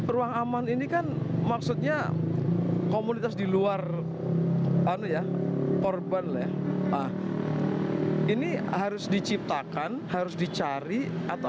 ruang aman ini kan maksudnya komunitas di luar korban ini harus diciptakan harus dicari atau